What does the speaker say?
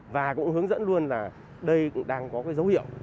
và cũng hướng dẫn luôn là đây cũng đang có cái dấu hiệu